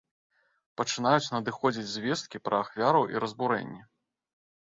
Пачынаюць надыходзіць звесткі пра ахвяраў і разбурэнні.